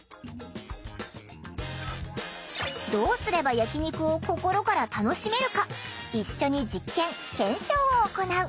どうすれば焼き肉を心から楽しめるか一緒に実験・検証を行う。